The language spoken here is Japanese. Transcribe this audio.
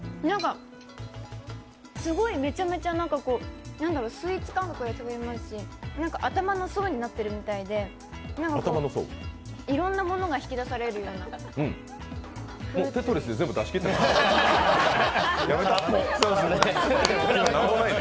すごいめちゃめちゃスイーツ感覚で食べれますし、頭の層になってるみたいで、いろんなものが引き出されるような「テトリス」で全部出しきった？